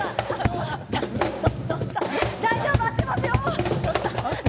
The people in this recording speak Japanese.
大丈夫、合ってますよ。